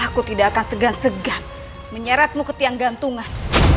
aku tidak akan segan segan menyeretmu ke tiang gantungan